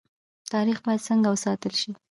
تاریخ باید څنګه وساتل شي؟